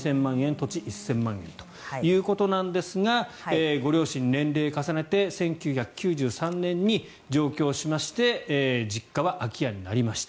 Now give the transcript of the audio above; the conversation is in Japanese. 土地１０００万円ということですがご両親年齢を重ねて１９９３年に上京しまして実家は空き家になりました。